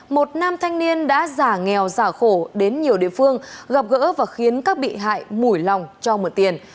một nam thanh niên đã giả nghèo giả khổ đến nhiều địa phương gặp gỡ và khiến các bị hại mủi lòng cho mượn tiền